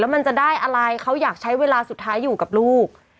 มันจะได้อะไรเขาอยากใช้เวลาสุดท้ายอยู่กับลูก